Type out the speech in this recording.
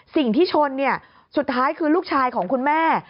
สิ่งที่ชนสุดท้ายคือลูกชายของคุณแม่